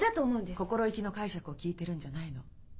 心意気の解釈を聞いてるんじゃないの。